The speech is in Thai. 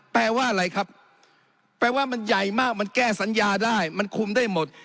แปลว่าอะไรครับแปลว่ามันใหญ่มากมันแก้สัญญาได้มันคุมได้หมด